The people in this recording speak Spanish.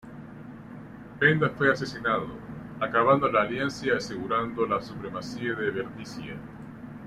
Penda fue asesinado, acabando la alianza y asegurando la supremacía de Bernicia.